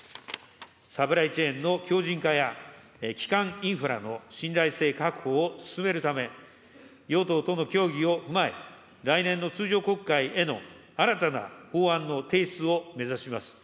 サプライチェーンの強じん化や、基幹インフラの信頼性確保を進めるため、与党との協議を踏まえ、来年の通常国会への新たな法案の提出を目指します。